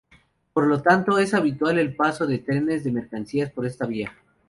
Por lo tanto es habitual el paso de trenes de mercancías por esta vía.